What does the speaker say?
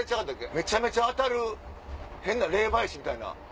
めちゃめちゃ当たる変な霊媒師。